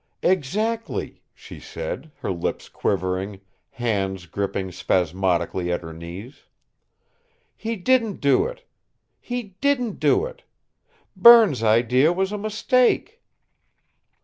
"Exactly," she said, her lips quivering, hands gripping spasmodically at her knees. "He didn't do it! He didn't do it! Berne's idea was a mistake!"